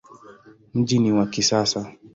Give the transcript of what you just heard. Mji ni wa kisasa.